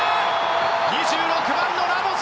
２６番のラモス！